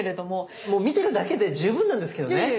もう見てるだけで十分なんですけどね。